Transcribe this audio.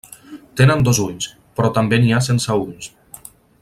Tenen dos ulls, però també n'hi ha sense ulls.